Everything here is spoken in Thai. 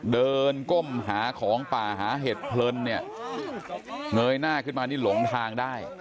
ก้มหาของป่าหาเห็ดเพลินเนี่ยเงยหน้าขึ้นมานี่หลงทางได้